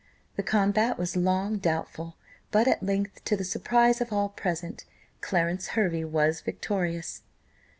The combat was long doubtful, but at length to the surprise of all present, Clarence Hervey was victorious.